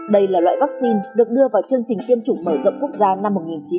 đây là loại vaccine được đưa vào chương trình tiêm chủng mở rộng quốc gia năm một nghìn chín trăm bảy mươi